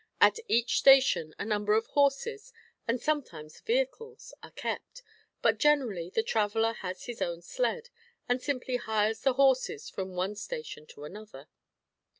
At each station a number of horses, and sometimes vehicles, are kept, but generally the traveler has his own sled, and simply hires the horses from one station to another.